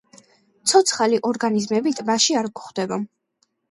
ცოცხალი ორგანიზმები ტბაში არ გვხვდება.